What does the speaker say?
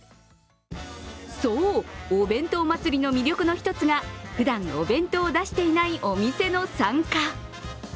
そう、おべんとう祭りの魅力の１つがふだん、お弁当を出していないお店の参加。